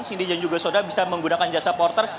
cindy dan juga soda bisa menggunakan jasa porter